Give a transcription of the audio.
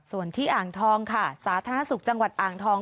ส่วนที่อ่างทองค่ะสาธารณสุขจังหวัดอ่างทอง